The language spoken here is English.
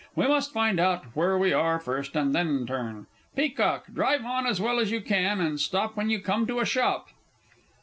We must find out where we are first, and then turn. Peacock, drive on as well as you can, and stop when you come to a shop.